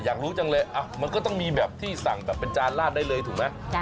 อยากรู้จังเลยมันก็ต้องมีแบบที่สั่งแบบเป็นจานลาดได้เลยถูกไหม